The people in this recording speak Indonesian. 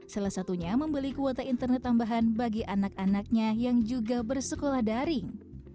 salah satunya membeli kuota internet tambahan bagi anak anaknya yang juga bersekolah daring